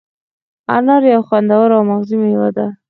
انار یو خوندور او مغذي مېوه ده.